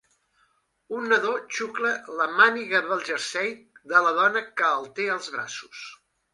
Un nadó xucla la màniga del jersei de la dona que el té als braços